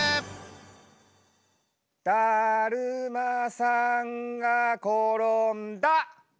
だるまさんが転んだ！